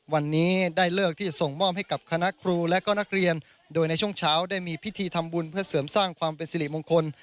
วันนี้ได้เลิกที่จะส่งมอบให้กับคณะครูและก็นักเรียนโดยในช่วงเช้าได้มีพิธีทำบุญเพื่อเสริมสร้างความเป็นสิริมงคล